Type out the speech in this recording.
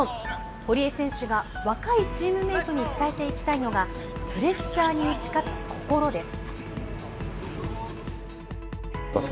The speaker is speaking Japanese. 堀江選手が若いチームメートに伝えていきたいのが、プレッシャーに打ち勝つ心です。